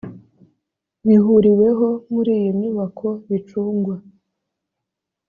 bihuriweho muri iyo nyubako bicungwa